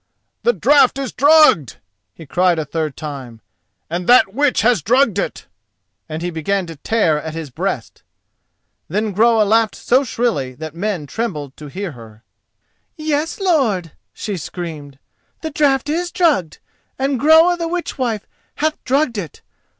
"The draught is drugged!" he cried a third time, "and that witch has drugged it!" And he began to tear at his breast. Then Groa laughed so shrilly that men trembled to hear her. "Yes, lord," she screamed, "the draught is drugged, and Groa the Witch wife hath drugged it!